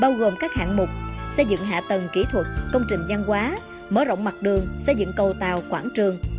bao gồm các hạng mục xây dựng hạ tầng kỹ thuật công trình gian hóa mở rộng mặt đường xây dựng cầu tàu quảng trường